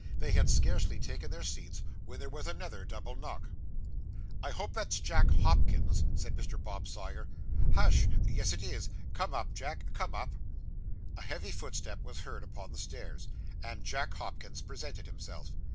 They had scarcely taken their seats when there was another double knock. 'I hope that's Jack Hopkins!' said Mr. Bob Sawyer. 'Hush. Yes, it is. Come up, Jack; come up.' A heavy footstep was heard upon the stairs, and Jack Hopkins presented himself.